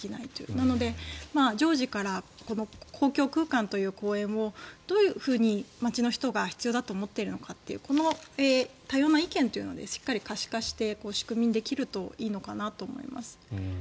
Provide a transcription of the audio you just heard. なので常時から公共空間という公園をどういうふうに街の人が必要だと思っているのかというこの多様な意見というのをしっかり可視化して仕組みにできるといいのかなと思います。